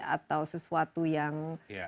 atau sesuatu yang